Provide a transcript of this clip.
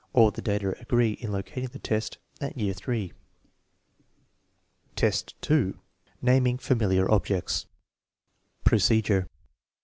All the data agree in locating the test at year III. ffl, 2. Naming familiar objects Procedure.